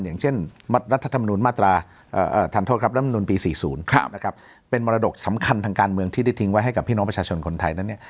อย่างเช่นรัฐธรรมนุนปี๔๐เป็นมรดกสำคัญทางการเมืองที่ได้ทิ้งไว้ให้กับพี่น้องประชาชนคนไทยนั้นเนี่ย